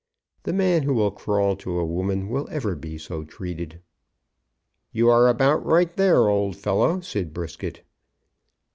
The man who will crawl to a woman will ever be so treated." "You are about right there, old fellow," said Brisket.